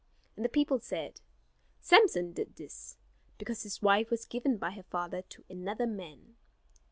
And the people said, "Samson did this, because his wife was given by her father to another man."